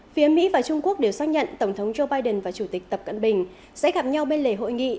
phía mỹ và trung quốc đều xác nhận tổng thống joe biden và chủ tịch tập cận bình sẽ gặp nhau bên lề hội nghị